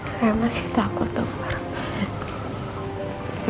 saya masih takut dok dok